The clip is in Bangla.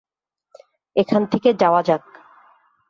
এখান থেকে যাওয়া যাক।